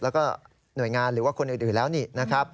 แล้วก็หน่วยงานหรือว่าคนอื่นแล้วนี่นะครับ